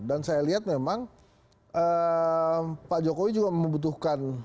dan saya lihat memang pak jokowi juga membutuhkan